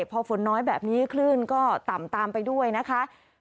พอฝนน้อยแบบนี้คลื่นก็ต่ำตามไปด้วยนะคะ